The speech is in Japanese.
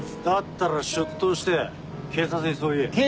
だったら出頭して警察にそう言え。